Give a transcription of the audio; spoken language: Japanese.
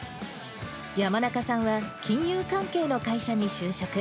山中さんは金融関係の会社に就職。